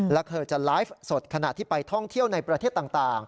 และเธอจะไลฟ์สดขณะที่ไปท่องเที่ยวในประเทศต่าง